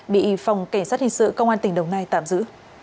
bị phòng cảnh sát hình sự công an tỉnh đồng nai tạm giữ